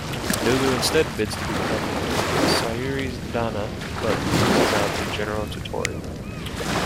Nobu instead bids to become Sayuri's "danna", but loses out to General Tottori.